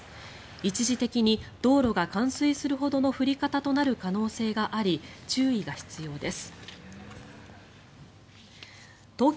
一時的に道路が冠水するほどの降り方となる可能性があり注意が必要です。